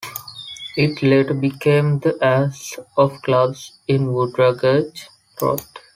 It later became the Ace of Clubs in Woodgrange Road.